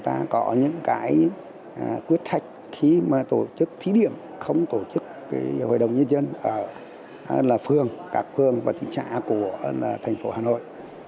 và có những quyết thách khi mà tổ chức thí điểm không tổ chức hội đồng nhân dân ở các phương và thị trạng của thành phố hà nội